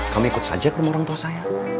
kamu ikut saja ke rumah orang tua saya